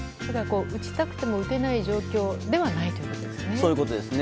打ちたくても打てない状況ではないということですね。